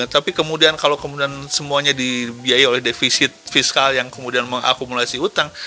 tapi kemudian kalau kemudian semuanya dibiayai oleh defisit fiskal yang kemudian mengakumulasi utang